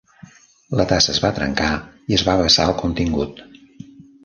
La tassa es va trencar i es va vessar el contingut.